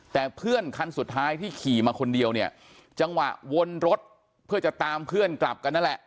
แต่เพื่อนคันสุดท้ายที่ขี่มาคนเดียวเนี่ยจังหวะวนรถเพื่อจะตามเพื่อนกลับกันนั่นแหละ